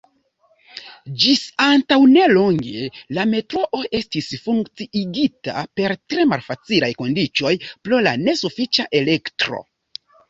Ĝis antaŭnelonge la metroo estis funkciigita per tre malfacilaj kondiĉoj pro la nesufiĉa elektro.